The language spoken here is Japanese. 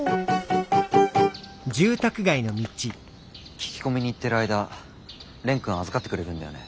聞き込みに行ってる間蓮くん預かってくれるんだよね。